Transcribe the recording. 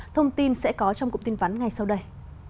thông tin sẽ có trong cụm tin vắn ngay sau đây